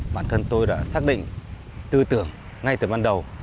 bản thân tôi đã xác định tư tưởng ngay từ ban đầu